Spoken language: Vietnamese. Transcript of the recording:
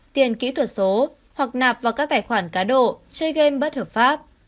tiền kỹ thuật số hoặc nạp vào các tài khoản cá độ chơi game bất hợp pháp